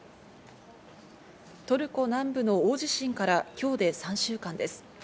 トルコ南部の大地震から今日で３週間です。